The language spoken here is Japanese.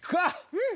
うん。